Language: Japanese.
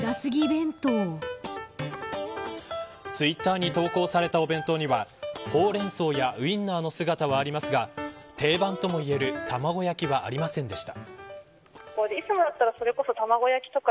ツイッターに投稿されたお弁当にはほうれん草やウインナーの姿はありますが定番ともいえる卵焼きはありませんでした。